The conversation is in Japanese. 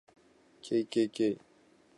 kkk